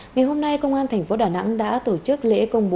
ngày hôm nay công an thành phố đà nẵng đã tổ chức lễ công bố